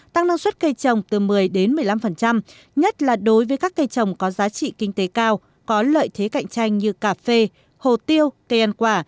tăng năng suất cây trồng từ một mươi đến một mươi năm nhất là đối với các cây trồng có giá trị kinh tế cao có lợi thế cạnh tranh như cà phê hồ tiêu cây ăn quả